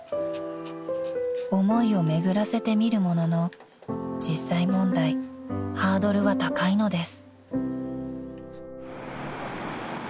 ［思いを巡らせてみるものの実際問題ハードルは高いのです］